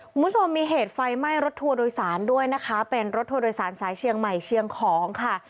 คุณผู้ชมมีเหตุไฟไหม้รถทัวร์โดยสารด้วยนะคะเป็นรถทัวร์โดยสารสายเชียงใหม่เชียงของค่ะ